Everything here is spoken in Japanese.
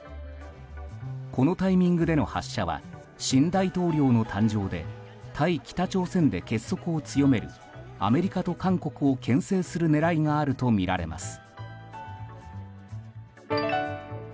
このタイミングでの発射は新大統領の誕生で対北朝鮮で結束を強めるアメリカと韓国を牽制する狙いがあるとみられます。